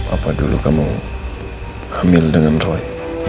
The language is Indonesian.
apa dulu kamu hamil dengan roy